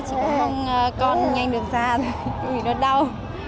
thì sinh lúc đấy chỉ mong con nhanh được ra vì nó đau